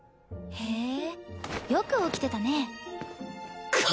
へえよく起きてたね。